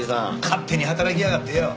勝手に働きやがってよ。